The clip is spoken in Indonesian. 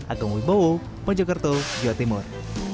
agung wibowo mojokerto jawa timur